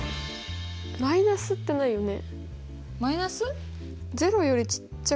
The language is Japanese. マイナスってないよね？